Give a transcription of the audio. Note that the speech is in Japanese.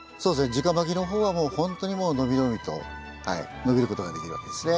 じかまきの方はほんとにもう伸び伸びと伸びることができるわけですね。